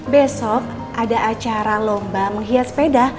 besok ada acara lomba menghias sepeda